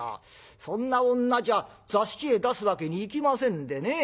そんな女じゃ座敷へ出すわけにいきませんでね。